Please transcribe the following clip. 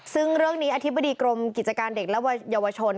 ซึ่งเรื่องนี้อธิบดีกรมกิจการเด็กและเยาวชน